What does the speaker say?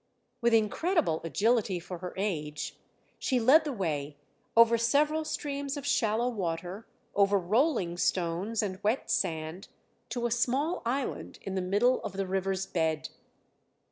With incredible agility for her age she led the way, over several streams of shallow water, over rolling stones and wet sand, to a small island in the middle of the river's bed.